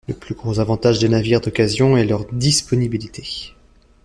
Le plus gros avantage des navires d'occasion est leur disponibilité.